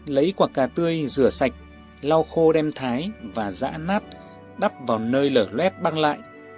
lấy quả cà tươi rửa sạch lau khô đem thái và giã nát đắp vào nơi lở luet băng lại